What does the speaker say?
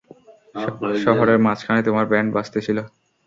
শহরের মাঝখানে তোমার ব্যান্ড বাজতেছিল।